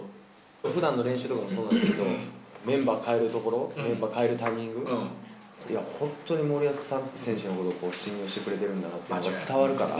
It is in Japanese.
ふだんの練習とかもそうだけど、メンバー代えるところ、代えるタイミング、本当に森保さんって、選手のこと信用してくれてるんだなってことが伝わるから。